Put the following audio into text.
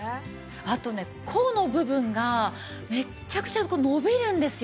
あとね甲の部分がめっちゃくちゃ伸びるんですよ。